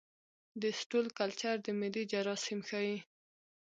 د سټول کلچر د معدې جراثیم ښيي.